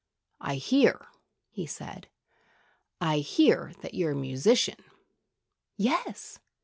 I hear " he said "I hear that you're a musician." "Yes!"